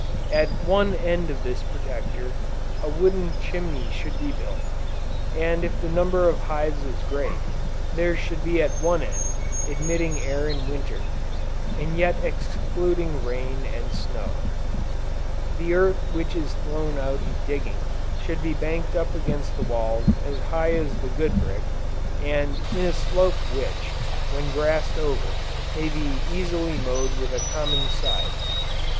At one end of this Protector, a wooden chimney should be built, and if the number of hives is great, there should be one at each end, admitting air in Winter, and yet excluding rain and snow. The earth which is thrown out in digging, should be banked up against the walls as high as the good brick, and in a slope which, when grassed over, may be easily mowed with a common scythe.